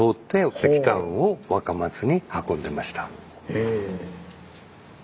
へえ。